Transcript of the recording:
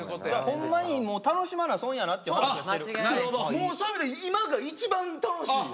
もうそういう意味で今が一番楽しいよ。